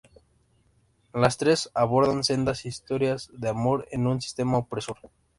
Las tres abordan sendas historias de amor en un sistema opresor.